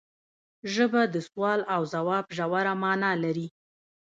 ژبه د سوال او ځواب ژوره معنی لري